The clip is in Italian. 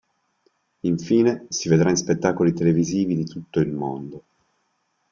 Infine, si vedrà in spettacoli televisivi in tutto il mondo.